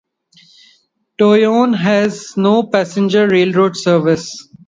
Toyone has no passenger railroad service.